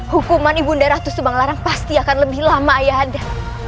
hukuman ibu naratu subanglarang pasti akan lebih lama ayande